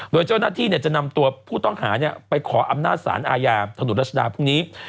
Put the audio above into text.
โดยเจ้าหน้าที่จะนำตัวผู้ต้องหาไปขออำนาจสารอาญาถนนรัชดาพรุ่งนี้